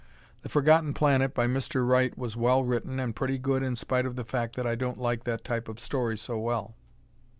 "The Forgotten Planet," by Mr. Wright, was well written and pretty good in spite of the fact that I don't like that type of story so well.